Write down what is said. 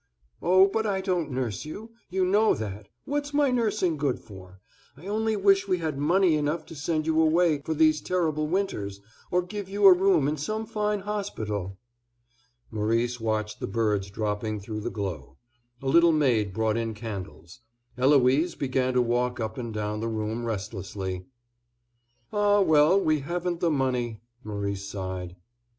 "Oh, but I don't nurse you, you know that; what's my nursing good for? I only wish we had money enough to send you away for these terrible winters, or give you a room in some fine hospital." Maurice watched the birds dropping through the glow. A little maid brought in candles. Eloise began to walk up and down the room restlessly. "Ah, well, we haven't the money," Maurice sighed.